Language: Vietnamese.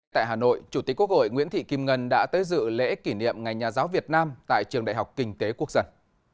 tại hà nội chủ tịch quốc hội nguyễn thị kim ngân đã tới dự lễ kỷ niệm ngày nhà giáo việt nam tại trường đại học kinh tế quốc dân